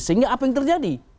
sehingga apa yang terjadi